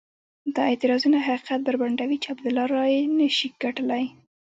دا اعتراضونه حقیقت بربنډوي چې عبدالله رایې نه شي ګټلای.